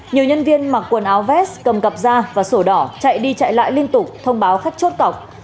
nhiều nhân viên mặc quần áo vest cầm cặp da và sổ đỏ chạy đi chạy lại liên tục thông báo khách chốt cọc